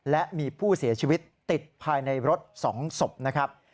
และมีผู้เสียชีวิตติดภายในรถ๒ศพนะครับ